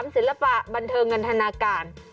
ศิลปะบันเทิงนันทนาการ